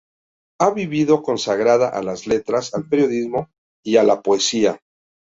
Ha vivido consagrada a las letras, al periodismo y a la poesía.